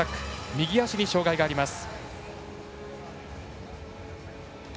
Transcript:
右足に障がいがあります。